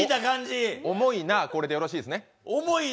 「重いな、これ」でよろしいですね。